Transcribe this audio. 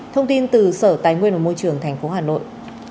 thông tin từ sở tài nguyên và môi trường tp hà nội